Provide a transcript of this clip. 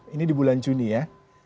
ini di bulan juni ya